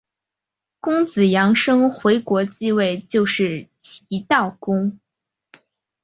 公子阳生回国即位就是齐悼公。